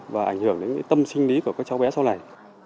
và ảnh hưởng đến tâm sinh lý của các cháu bé sau này